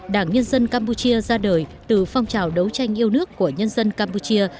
đảng nhân dân campuchia ra đời từ phong trào đấu tranh yêu nước của nhân dân campuchia